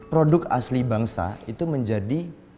produk asli bangsa itu menjadi